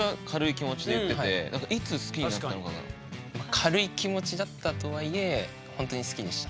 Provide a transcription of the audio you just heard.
軽い気持ちだったとはいえほんとに好きでした。